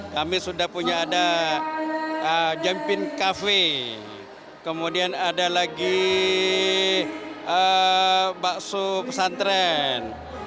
kami sudah punya ada jempin kafe kemudian ada lagi bakso pesantren